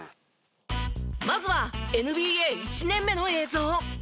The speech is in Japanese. まずはＮＢＡ１年目の映像。